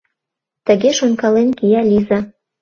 Тыге шонкален кия Лиза.